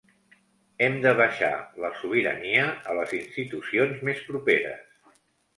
Hem de baixar la sobirania a les institucions més properes.